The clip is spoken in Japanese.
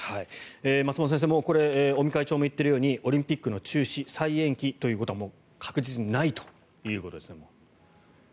松本先生尾身会長も言っているようにオリンピックの中止・再延期ということはもう確実にないということですね。